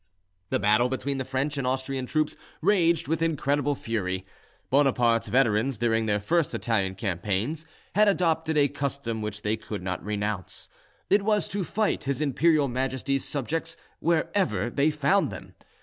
The battle between the French and Austrian troops raged with incredible fury. Bonaparte's veterans, during their first Italian campaigns, had adopted a custom which they could not renounce: it was to fight His Imperial Majesty's subjects wherever they found them.